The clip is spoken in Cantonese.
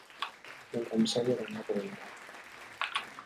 你咁衰一定有報應架！